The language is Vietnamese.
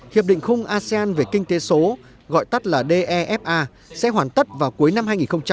hiệp định khung asean về kinh tế số gọi tắt là defa sẽ hoàn tất vào cuối năm hai nghìn hai mươi năm